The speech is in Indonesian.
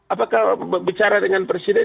apakah bicara dengan presiden